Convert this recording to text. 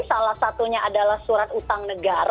salah satunya adalah surat utang negara